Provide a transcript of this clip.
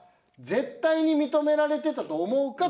絶対に認められてたと思うか。